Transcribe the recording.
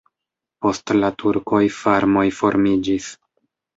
Post la turkoj farmoj formiĝis.